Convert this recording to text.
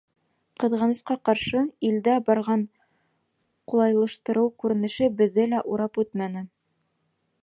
Ҡыҙғанысҡа ҡаршы, илдә барған ҡулайлаштырыу күренеше беҙҙе лә урап үтмәне.